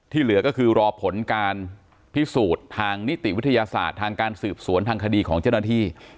เหลือก็คือรอผลการพิสูจน์ทางนิติวิทยาศาสตร์ทางการสืบสวนทางคดีของเจ้าหน้าที่